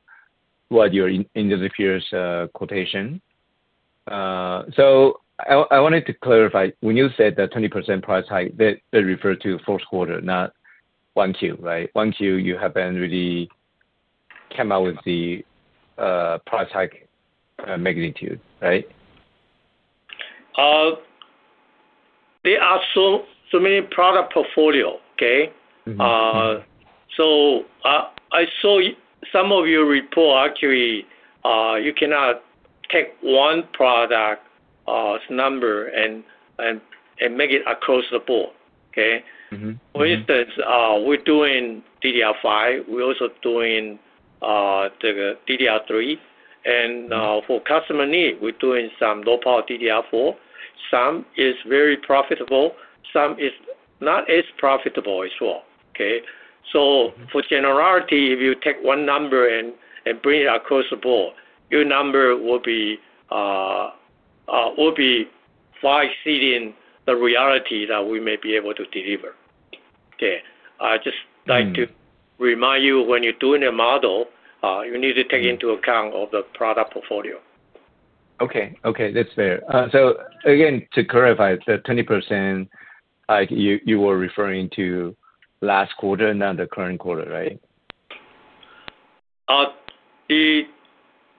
what your industry peers' quotation so I wanted to clarify. When you said that 20% price hike, they refer to fourth quarter, not 1Q, right? 1Q, you haven't really come out with the price hike magnitude, right? There are so many product portfolios. Okay. So I saw some of your report, actually, you cannot take one product number and make it across the board. Okay. For instance, we're doing DDR5. We're also doing DDR3. And for customer need, we're doing some low-power DDR4. Some is very profitable. Some is not as profitable as well. Okay. So for generality, if you take one number and bring it across the board, your number will be far exceeding the reality that we may be able to deliver. Okay. I just like to remind you when you're doing a model, you need to take into account all the product portfolio. Okay. That's fair. So again, to clarify, the 20% you were referring to last quarter, not the current quarter, right?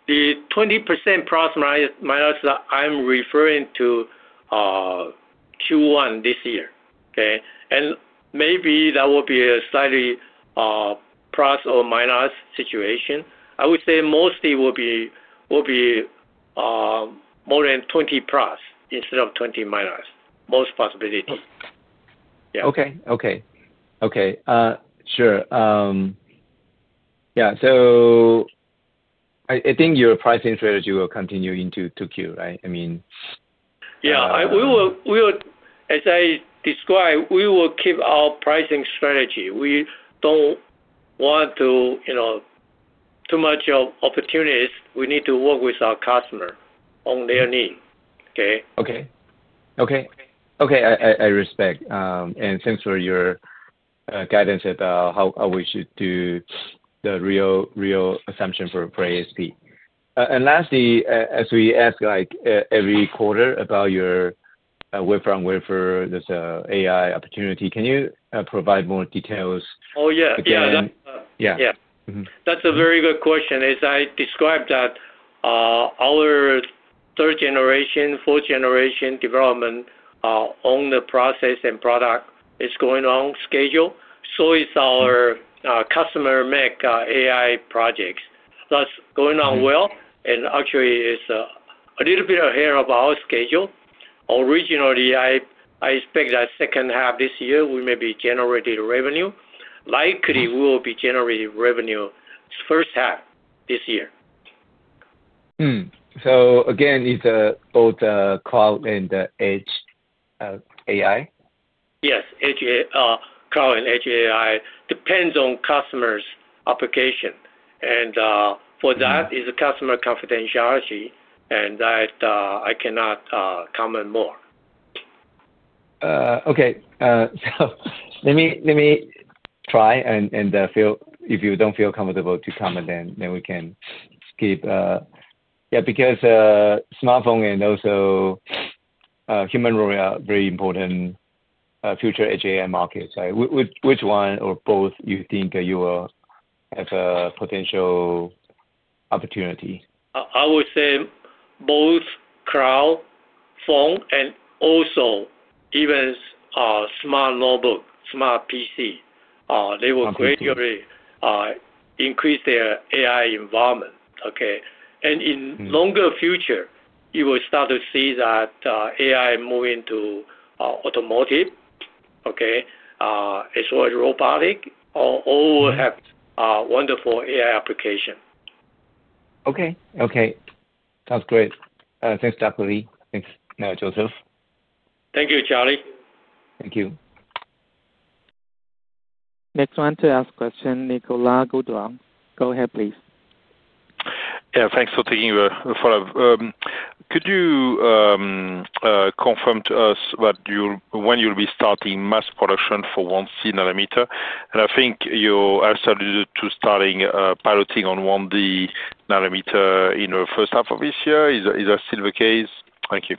The 20% ± that I'm referring to Q1 this year. Okay. And maybe that will be a slightly plus or minus situation. I would say mostly will be more than 20 plus instead of 20 minus, most possibility. Yeah. Okay. Sure. Yeah. So I think your pricing strategy will continue into Q2, right? I mean. Yeah. As I described, we will keep our pricing strategy. We don't want too much of opportunities. We need to work with our customer on their need. Okay. Okay. I respect. And thanks for your guidance about how we should do the real assumption for ASP. And lastly, as we ask every quarter about your wafer-on-wafer, there's an AI opportunity. Can you provide more details? Oh, yeah. That's a very good question. As I described that our 3rd generation, 4th generation development on the process and product is going on schedule. So it's our customer-make AI projects. That's going on well. And actually, it's a little bit ahead of our schedule. Originally, I expect that second half this year, we may be generating revenue. Likely, we will be generating revenue first half this year. So again, it's both cloud and edge AI? Yes. Cloud and edge AI. Depends on customer's application. And for that, it's customer confidentiality. And I cannot comment more. Okay. So let me try. And if you don't feel comfortable to comment, then we can skip. Yeah. Because smartphone and also HBM are very important future edge AI markets. Which one or both you think you will have a potential opportunity? I would say both cloud, phone, and also even smart notebook, smart PC. They will gradually increase their AI environment. Okay. And in the longer future, you will start to see that AI moving to automotive, okay, as well as robotic, all will have wonderful AI application. Okay. Sounds great. Thanks, Dr. Lee. Thanks, Joseph. Thank you, Charlie. Thank you. Next one to ask question, Nicolas Gaudois. Go ahead, please. Yeah. Thanks for taking your follow-up. Could you confirm to us when you'll be starting mass production for 1C nanometer? And I think you answered to starting piloting on 1D nanometer in the first half of this year. Is that still the case? Thank you.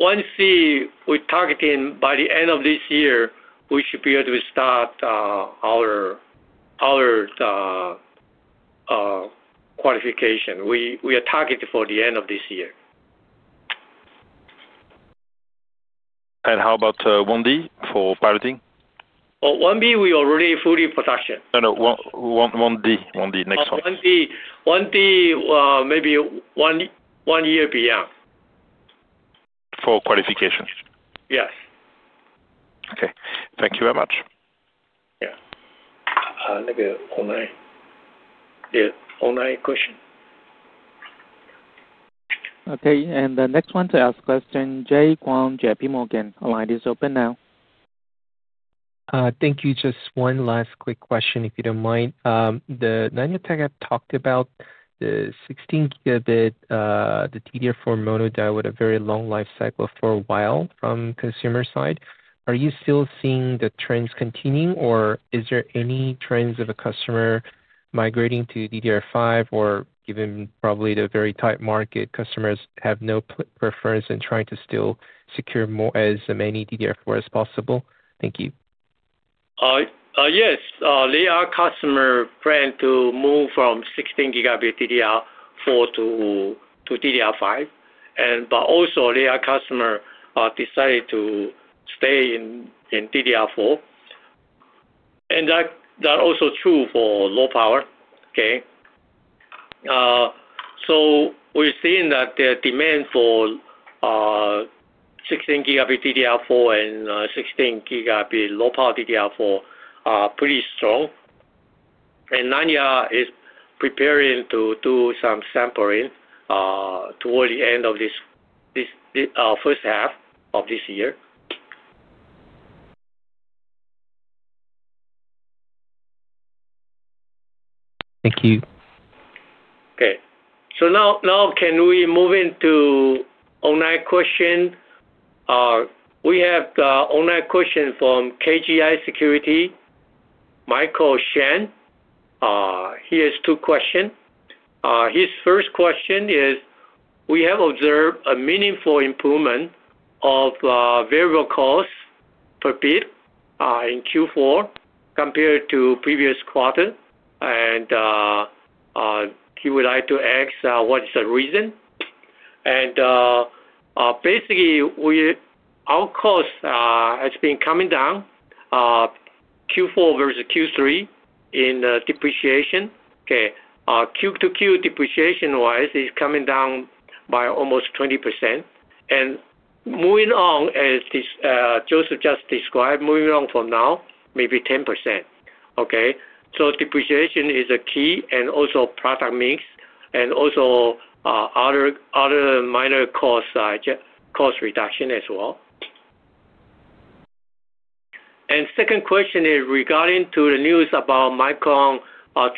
1C, we're targeting by the end of this year, we should be able to start our qualification. We are targeted for the end of this year. And how about 1D for piloting? 1B, we are already in full production. 1D, maybe- 1D, maybe one year beyond For qualification. Yes. Okay. Thank you very much. Online question. Okay. And the next one to ask question, Jay Kwong, JPMorgan. Line is open now. Thank you. Just one last quick question, if you don't mind. Nanya has talked about the 16 Gb DDR4 monolithic die with a very long life cycle for a while from consumer side. Are you still seeing the trends continuing, or is there any trends of a customer migrating to DDR5 or given probably the very tight market, customers have no preference in trying to still secure as many DDR4 as possible? Thank you. Yes. Our customer planned to move from 16 Gb DDR4 to DDR5. But also, Loyal customer decided to stay in DDR4. And that's also true for low power. Okay. So we're seeing that the demand for 16 Gb DDR4 and 16 Gb low-power DDR4 are pretty strong. And Nanya is preparing to do some sampling toward the end of this first half of this year. Thank you. Okay. So now can we move into online question? We have the online question from KGI Securities, Michael Shen. He has two questions. His first question is, we have observed a meaningful improvement of variable cost per bit in Q4 compared to previous quarter. And he would like to ask what is the reason. And basically, our cost has been coming down Q4 versus Q3 in depreciation. Q2Q depreciation-wise is coming down by almost 20%. And moving on, as Joseph just described, moving on from now, maybe 10%. Okay. So depreciation is a key and also product mix and also other minor cost reduction as well. And second question is regarding to the news about Micron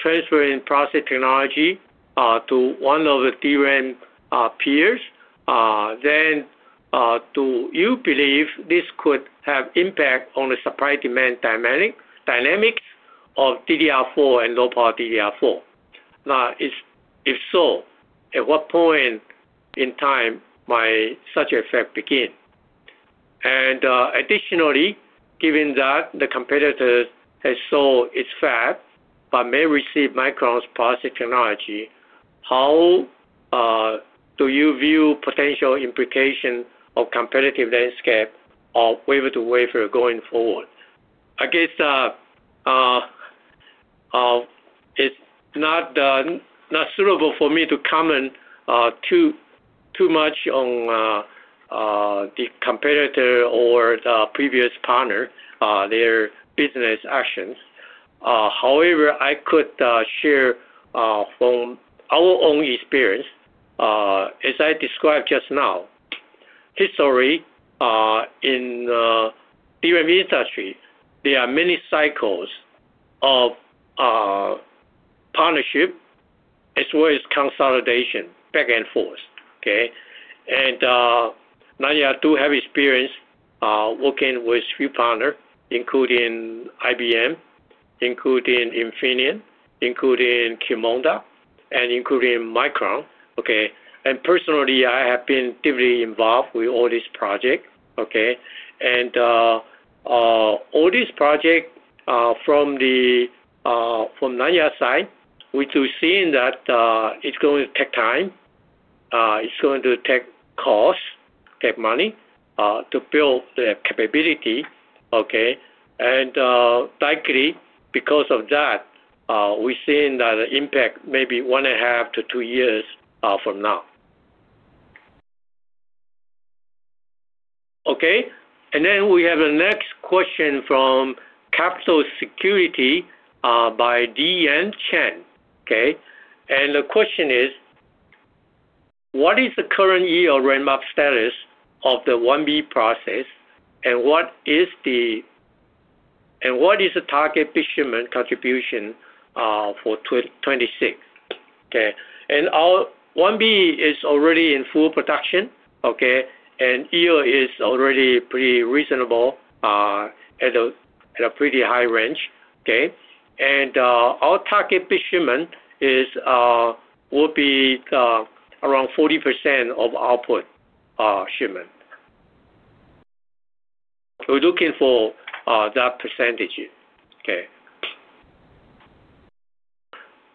transferring process technology to one of the DRAM peers. Then do you believe this could have impact on the supply-demand dynamics of DDR4 and low-power DDR4? Now, if so, at what point in time might such effect begin? And additionally, given that the competitor has sold its fab but may receive Micron's process technology, how do you view potential implications of competitive landscape or wafer-on-wafer going forward? I guess it's not suitable for me to comment too much on the competitor or the previous partner, their business actions. However, I could share from our own experience. As I described just now, historically, in the DRAM industry, there are many cycles of partnership as well as consolidation back and forth. Okay. And Nanya do have experience working with a few partners, including IBM, including Infineon, including Qimonda, and including Micron. Okay. And personally, I have been deeply involved with all these projects. Okay. And all these projects from Nanya's side, we do see that it's going to take time. It's going to take cost, take money to build the capability. Okay. And likely, because of that, we're seeing that the impact may be one and a half to two years from now. Okay. And then we have the next question from Capital Securities by Diane Chen. Okay. And the question is, what is the current year of roadmap status of the 1B process? And what is the target procurement contribution for 2026? Okay. And 1B is already in full production. Okay. And yield is already pretty reasonable at a pretty high range. Okay. And our target procurement will be around 40% of output shipment. We're looking for that percentage.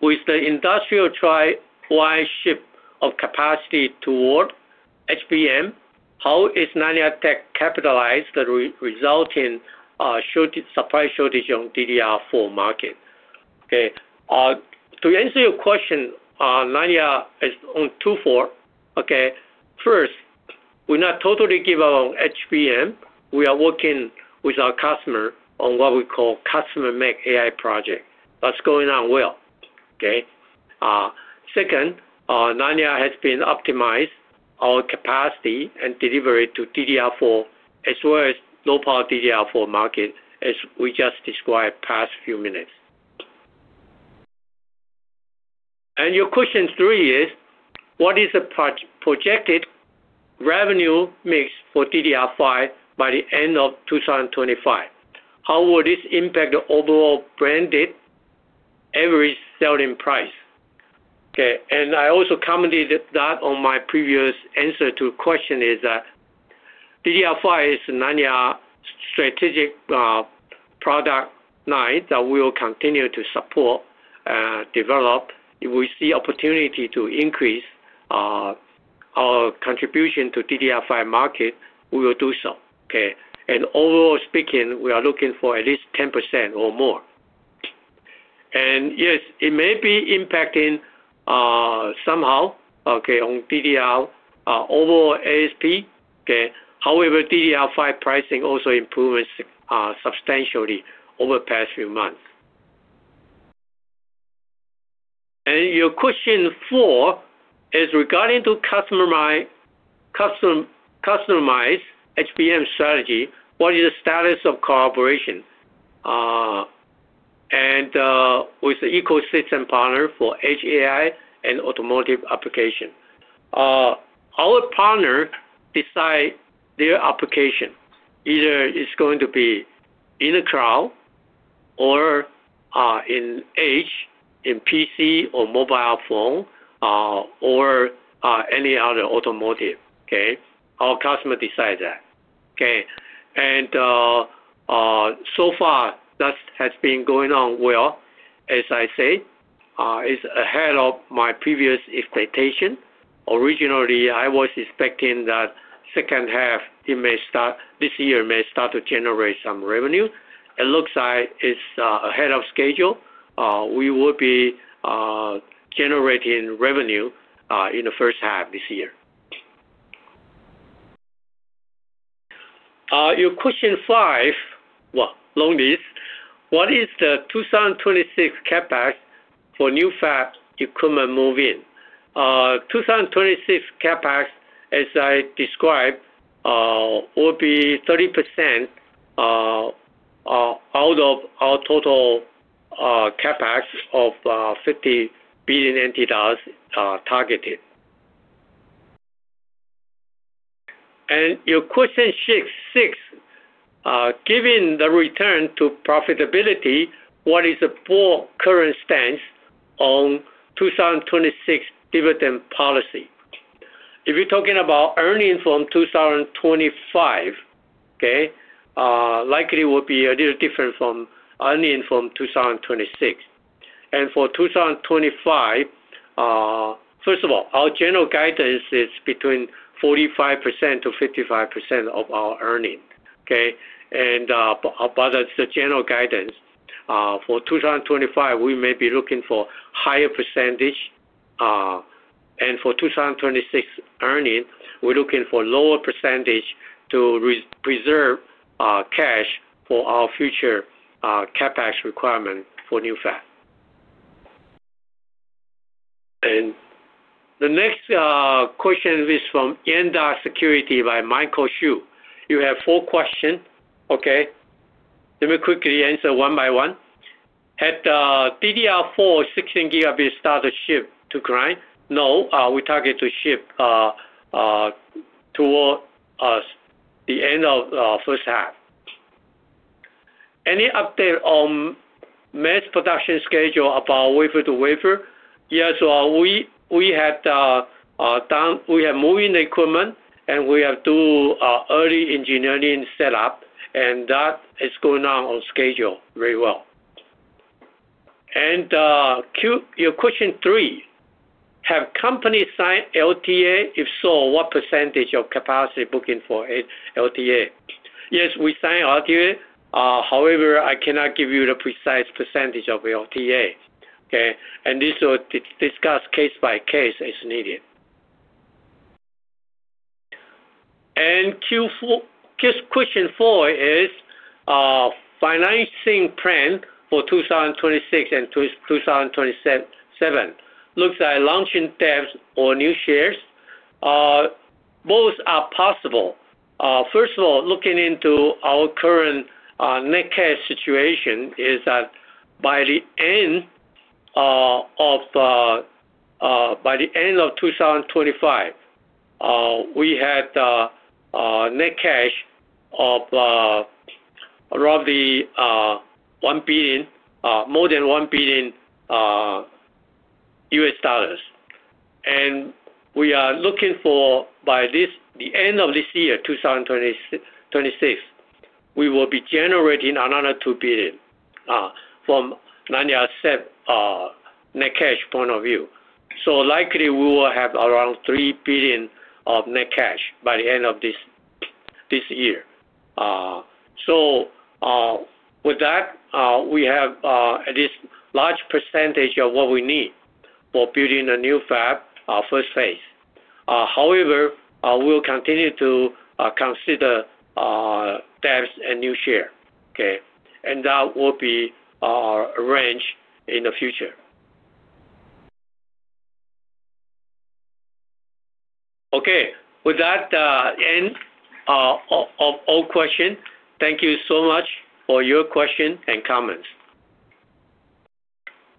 With the industry-wide shift of capacity toward HBM, how is Nanya capitalized on the resulting supply shortage on DDR4 market? To answer your question on Q4. First, we're not totally shifting to HBM. We are working with our customer on what we call custom-made AI project. That's going on well. Second, Nanya has been optimizing our capacity and delivery to DDR4 as well as low-power DDR4 market, as we just described in the past few minutes. And your question three is, what is the projected revenue mix for DDR5 by the end of 2025? How will this impact the overall blended average selling price? I also commented that in my previous answer to the question is that DDR5 is Nanya's strategic product line that we will continue to support and develop. If we see opportunity to increase our contribution to DDR5 market, we will do so. Okay. And overall speaking, we are looking for at least 10% or more. And yes, it may be impacting somehow, okay, on DDR overall ASP. Okay. However, DDR5 pricing also improves substantially over the past few months. And your question four is regarding to customer-made HBM strategy. What is the status of collaboration with the ecosystem partner for edge AI and automotive application? Our partner decides their application. Either it's going to be in the cloud or in edge, in PC or mobile phone, or any other automotive. Okay. Our customer decides that. Okay. And so far, that has been going on well, as I say. It's ahead of my previous expectation. Originally, I was expecting that second half, this year may start to generate some revenue. It looks like it's ahead of schedule. We will be generating revenue in the first half this year. Your question five, well, long list. What is the 2026 CapEx for new fab equipment moving? 2026 CapEx, as I described, will be 30% out of our total CapEx of 50 billion NT dollars targeted. And your question six, given the return to profitability, what is the full current stance on 2026 dividend policy? If you're talking about earnings from 2025, okay, likely will be a little different from earnings from 2026. And for 2025, first of all, our general guidance is between 45%-55% of our earnings. Okay. And but that's the general guidance. For 2025, we may be looking for a higher percentage. For 2026 earnings, we're looking for a lower percentage to preserve cash for our future CapEx requirement for new fab. The next question is from Yuanta Securities by Michael Hsu. You have four questions. Okay. Let me quickly answer one by one. At DDR4, 16 Gb started ship to client? No. We target to ship toward the end of the first half. Any update on mass production schedule about wafer-on-wafer? Yes. We have moved in the equipment, and we have done early engineering setup. And that is going on schedule very well. Your question three, have companies signed LTA? If so, what percentage of capacity booking for LTA? Yes, we signed LTA. However, I cannot give you the precise percentage of LTA. Okay. And this we'll discuss case by case as needed. Question four is financing plan for 2026 and 2027. Looks like launching debt or new shares. Both are possible. First of all, looking into our current net cash situation is that by the end of 2025, we had net cash of around $1 billion, more than $1 billion US dollars. And we are looking for by the end of this year, 2026, we will be generating another $2 billion from Nanya's net cash point of view. So likely, we will have around $3 billion of net cash by the end of this year. So with that, we have at least a large percentage of what we need for building a new fab first phase. However, we will continue to consider debts and new shares. Okay. And that will be arranged in the future. Okay. With that, end of all questions. Thank you so much for your questions and comments.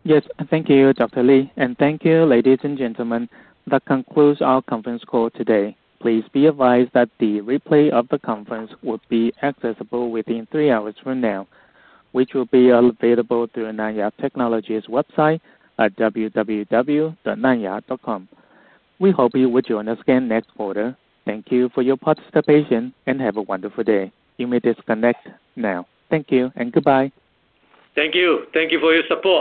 Yes. Thank you, Dr. Lee. Thank you, ladies and gentlemen. That concludes our conference call today. Please be advised that the replay of the conference will be accessible within three hours from now, which will be available through Nanya Technology's website at www.nanya.com. We hope you would join us again next quarter. Thank you for your participation and have a wonderful day. You may disconnect now. Thank you and goodbye. Thank you. Thank you for your support.